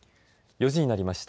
４時になりました。